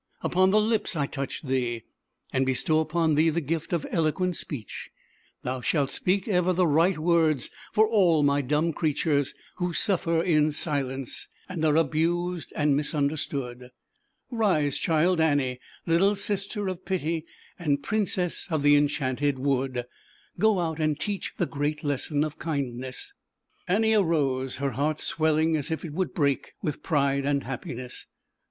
Upon the lips I touch lee and bestow upon thee the gift loqueilf/ BHieech, Thou shalt rds for all my in silence CVer lllfllf V III rr creatures, who suffer AUBERLINDA, ana are abused and misunders 1 Rise, Child Annie, little Sister of Pity and Princess of the Enchanted Wood, Go out and teach the great lesson of kindness." ^^fifiL^TlB I Annie arose, her heart swelling as if it would break with pride and happiness.